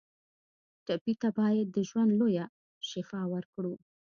ټپي ته باید د ژوند لویه شفا ورکړو.